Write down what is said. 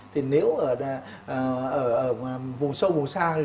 thì nếu ở vùng sâu vùng xa